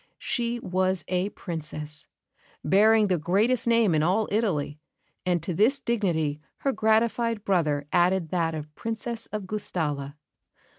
She was a Princess, bearing the greatest name in all Italy; and to this dignity her gratified brother added that of Princess of Gustalla.